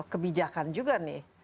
kebijakan juga nih